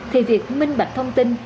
thì việc minh bạch thông tin